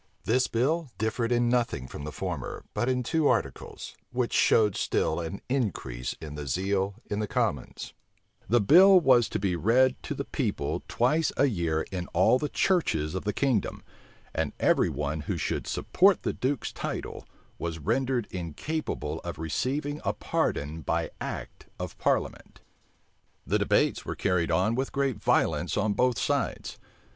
This bill differed in nothing from the former, but in two articles, which showed still an increase of zeal in the commons: the bill was to be read to the people twice a year in all the churches of the kingdom; and every one who should support the duke's title, was rendered incapable of receiving a pardon but by act of parliament. The debates were carried on with great violence on both sides.